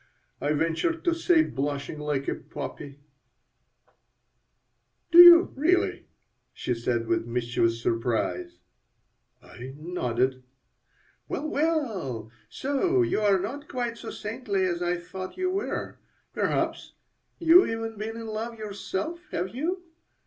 I ventured to say, blushing like a poppy "Do you, really?" she said, with mischievous surprise I nodded "Well, well. So you are not quite so saintly as I thought you were! Perhaps you have even been in love yourself? Have you?